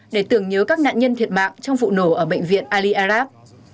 để tưởng nhớ các nạn nhân thiệt mạng trong vụ nổ ở bệnh viện ali arab